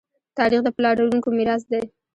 تاریخ د پلارونکو میراث دی.